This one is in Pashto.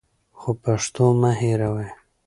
خو پښتو مه هېروئ.